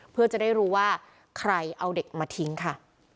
เพื่อจะได้รู้ว่าใครเอาเด็กมาทิ้งค่ะ